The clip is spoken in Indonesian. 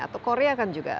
atau korea kan juga